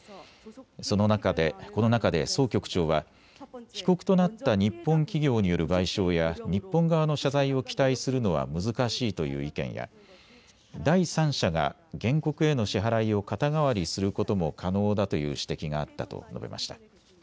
この中でソ局長は被告となった日本企業による賠償や日本側の謝罪を期待するのは難しいという意見や第三者が原告への支払いを肩代わりすることも可能だという指摘があったと述べました。